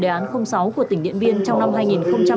đề án sáu của tỉnh điện biên trong năm hai nghìn hai mươi